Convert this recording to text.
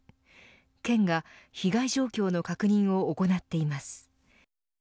県が、被害状況の確認を行っています。